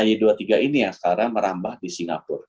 y dua puluh tiga ini yang sekarang merambah di singapura